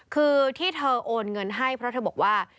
คือที่เธอโอนเงินให้เพราะเธอบอกว่า